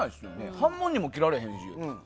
半分にも切られへんし。